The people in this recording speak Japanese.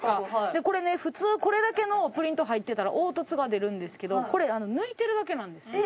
でこれね普通これだけのプリント入ってたら凹凸が出るんですけどこれ抜いてるだけなんですよ